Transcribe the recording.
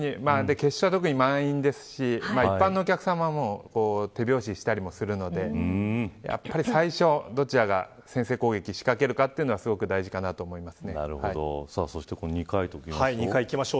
決勝は特に満員ですし一般のお客様も手拍子をしたりもするので最初にどちらが先制攻撃を仕掛けるかは大事だと思います。